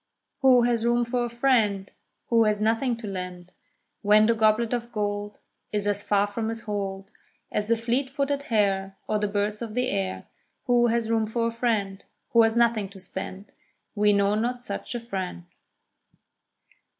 Who has room for a friend Who has nothing to lend, When the goblet of gold Is as far from his hold As the fleet footed hare, Or the birds of the air. Who has room for a friend Who has nothing to spend? We know not such a friend.